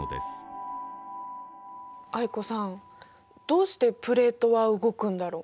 藍子さんどうしてプレートは動くんだろう。